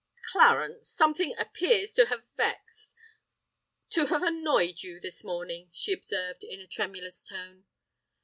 "Clarence—something appears to have vexed—to have annoyed you this morning," she observed, in a tremulous tone.